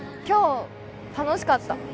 今日楽しかった。